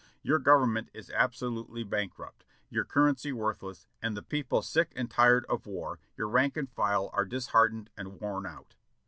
Your Government is absolutely bankrupt, your currency worthless, the people sick and tired of war, your rank and file are disheartened and worn out.